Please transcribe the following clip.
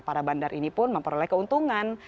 para bandar ini pun memperoleh keuntungan